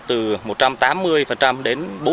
từ một trăm tám mươi đến bốn trăm linh